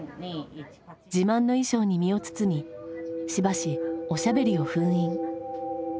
自慢の衣装に身を包みしばしおしゃべりを封印。